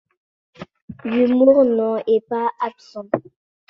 L'humour n'en est pas absent.